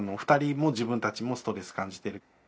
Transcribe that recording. ２人も自分たちもストレス感じてる。